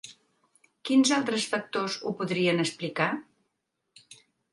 Quins altres factors ho podrien explicar?